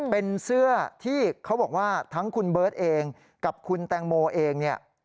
เป็นเสื้อที่เขาบอกว่าทั้งคุณเบิร์ตเองกับคุณแตงโมเองเนี่ย